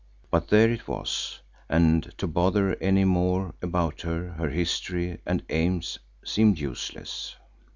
But there it was, and to bother any more about her, her history and aims, seemed useless.